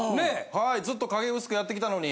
はいずっと影薄くやってきたのに。